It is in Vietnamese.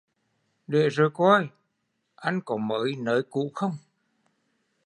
Để rồi coi anh có mới nới cũ không